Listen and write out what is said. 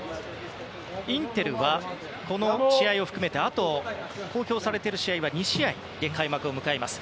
インテルはこの試合を含めてあと公表されている試合は２試合で開幕を迎えます。